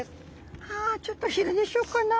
「はぁちょっと昼寝しようかな」。